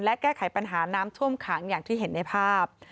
และแก้ไขปัญหาน้ำท่วมขังอย่างที่เห็นในภาพ